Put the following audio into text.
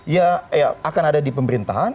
ya akan ada di pemerintahan